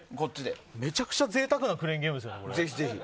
めちゃくちゃ贅沢なクレーンゲームですよね。